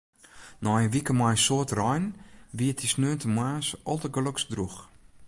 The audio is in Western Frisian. Nei in wike mei in soad rein wie it dy sneontemoarns aldergelokst drûch.